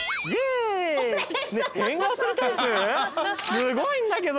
すごいんだけど。